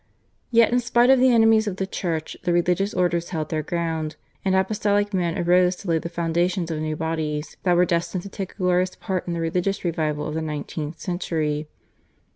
Yet in spite of the enemies of the Church the religious orders held their ground, and apostolic men arose to lay the foundations of new bodies, that were destined to take a glorious part in the religious revival of the nineteenth century.